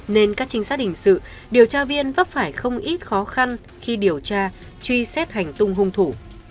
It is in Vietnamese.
nên các trinh sát hình sự điều tra viên vấp phải không ít khó khăn khi điều tra truy xét hành tung hung thủ